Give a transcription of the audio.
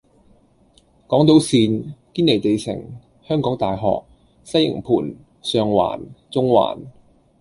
港島綫：堅尼地城，香港大學，西營盤，上環，中環